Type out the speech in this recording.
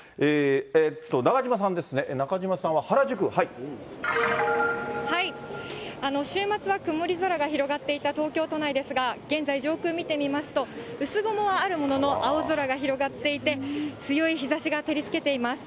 中島さんですね、中島さんは、週末は曇り空が広がっていた東京都内ですが、現在、上空見てみますと、薄雲はあるものの、青空が広がっていて、強い日ざしが照りつけています。